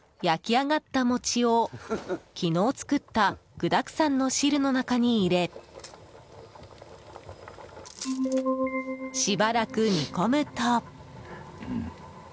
焼き上がった餅を、昨日作った具だくさんの汁の中に入れしばらく煮込むと。